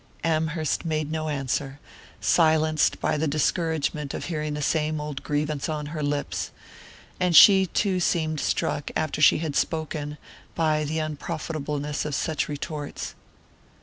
Amherst made no answer, silenced by the discouragement of hearing the same old grievance on her lips; and she too seemed struck, after she had spoken, by the unprofitableness of such retorts.